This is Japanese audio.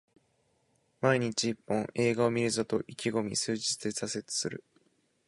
毎日一本、映画を観るぞと意気込み数日で挫折する